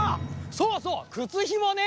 そうそうくつひもね。